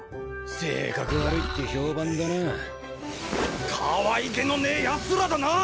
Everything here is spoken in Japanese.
性格悪いって評判だなかわいげのねえヤツらだな！